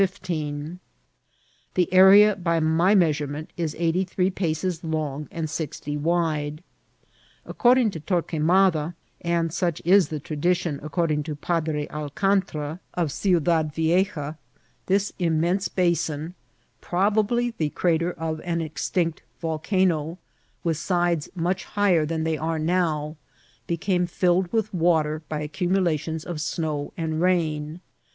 The area, by my measurement, is eighty three paces long and sixty wide. According to Torquemada (and such is the tradition according to Padre Alcantra, S76 INCIDIMTS OF TKATIL. ot Ciudad Vieja), this immense basin, probably the cra ter of an extinct yolcanoy with sides much higher than they are now, became filled with water by accimmlations of snow and rain.